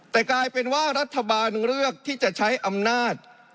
แต่กลายเป็นว่ารัฐบาลเลือกที่จะใช้อำนาจ